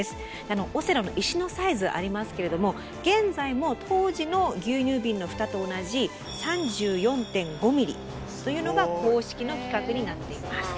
あのオセロの石のサイズありますけれども現在も当時の牛乳瓶のフタと同じ３４．５ｍｍというのが公式の規格になっています。